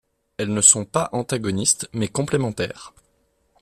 Elles ne sont pas antagonistes mais complémentaires.